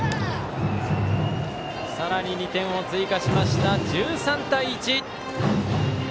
さらに２点を追加しました１３対１。